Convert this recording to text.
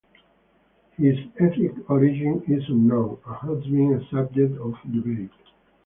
His ethnic origin is unknown, and has been a subject of debate.